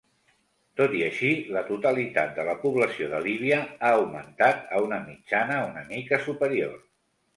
Tot i així la totalitat de la població de Líbia ha augmentat a una mitjana una mica superior.